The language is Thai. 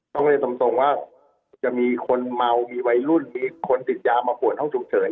ต้องเรียนตรงว่าจะมีคนเมามีวัยรุ่นมีคนติดยามาปวดห้องฉุกเฉิน